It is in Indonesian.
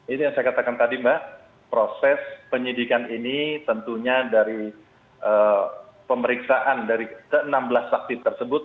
itu yang saya katakan tadi mbak proses penyidikan ini tentunya dari pemeriksaan dari ke enam belas saksi tersebut